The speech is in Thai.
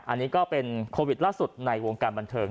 อันนี้ก็เป็นโควิดล่าสุดในวงการบันเทิง